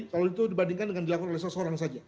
kalau itu dibandingkan dengan dilakukan oleh seseorang saja